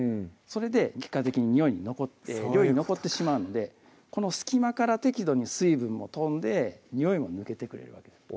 それで結果的ににおいに残って料理に残ってしまうのでこの隙間から適度に水分も飛んでにおいも抜けてくれるわけです